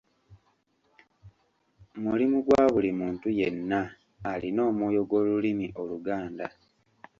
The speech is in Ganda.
Mulimu gwa buli muntu yenna alina omwoyo gw'olulimi Oluganda.